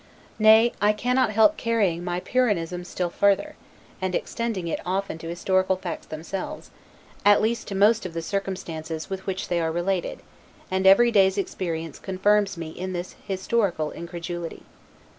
Nay, I cannot help carrying my Pyrrhonism still further, and extending it often to historical facts themselves, at least to most of the circumstances with which they are related; and every day's experience confirms me in this historical incredulity.